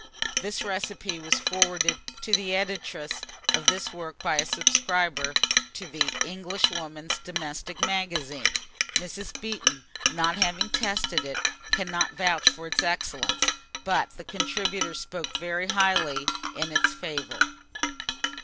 [This recipe was forwarded to the editress of this work by a subscriber to the "Englishwoman's Domestic Magazine." Mrs. Beeton, not having tested it, cannot vouch for its excellence; but the contributor spoke very highly in its favour.